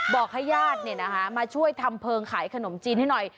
บอกให้ญาติเนี่ยนะคะมาช่วยทำเพิงขายขนมจีนให้หน่อย